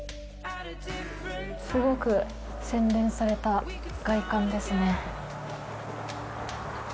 すごく洗練された外観ですね。